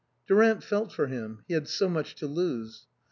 Durant felt for him ; he had so much to lose.